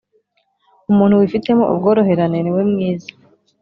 Umuntu wifitemo ubworoherane ni we mwiza